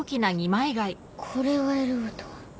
これを選ぶとは。